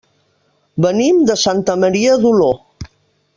Venim de Santa Maria d'Oló.